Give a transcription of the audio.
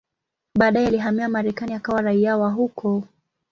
Baadaye alihamia Marekani akawa raia wa huko.